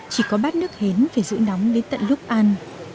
chỉ có bát nước hến phải giữ nóng đến tận lúc ăn